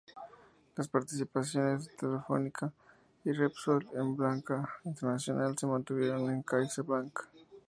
Las participaciones en Telefónica y Repsol y en banca internacional se mantuvieron en CaixaBank.